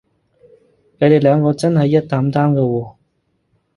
你哋兩個真係一擔擔㗎喎